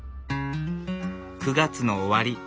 ９月の終わり。